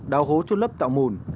đào hố cho lớp tạo mùn